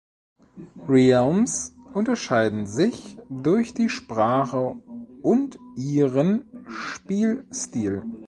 Realms unterscheiden sich durch die Sprache und ihren Spielstil.